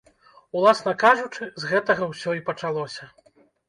Уласна кажучы, з гэтага ўсё і пачалося.